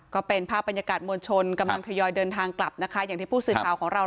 ก็เป็นภาพบรรยากาศมวลชนกำลังทยอยเดินทางกลับนะคะอย่างที่ผู้สื่อข่าวของเรา